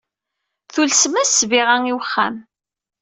Tulsem-as ssbiɣa i wexxam.